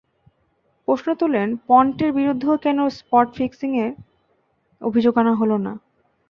প্রশ্ন তোলেন, পন্টের বিরুদ্ধেও কেন স্পট ফিক্সিংয়ের অভিযোগ আনা হলো না।